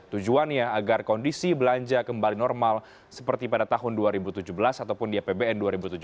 tujuannya agar kondisi belanja kembali normal seperti pada tahun dua ribu tujuh belas ataupun di apbn dua ribu tujuh belas